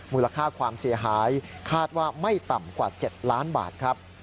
มูลค่าความเสียหายคาดว่าไม่ต่ำกว่า๗ล้านบาทครับ